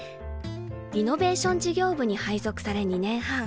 リノベーション事業部に配属され２年半。